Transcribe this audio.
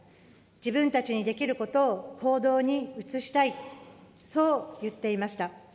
自分たちにできることを行動に移したい、そう言っていました。